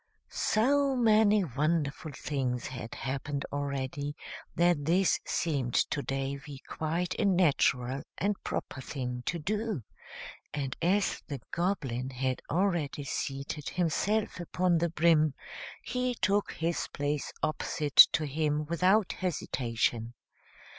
So many wonderful things had happened already that this seemed to Davy quite a natural and proper thing to do, and as the Goblin had already seated himself upon the brim, he took his place opposite to him without hesitation.